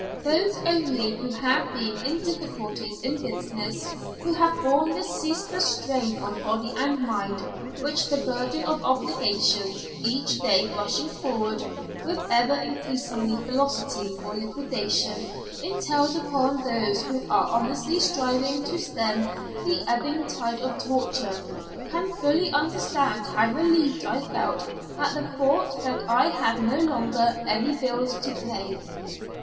Those only who have been in difficulties in business, who have borne the ceaseless strain on body and mind which the burden of obligations, each day rushing forward with ever increasing velocity for liquidation, entails upon those who are honestly striving to stem the ebbing tide of fortune, can fully understand how relieved I felt at the thought that I had no longer any bills to pay.